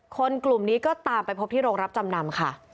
กลุ่มนี้ก็ตามไปพบที่โรงรับจำนำค่ะ